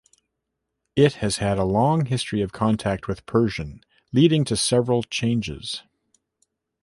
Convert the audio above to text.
It has had a long history of contact with Persian, leading to several changes.